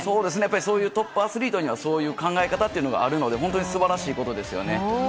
そういうトップアスリートにはそういう考え方があるので本当に素晴らしいことですよね。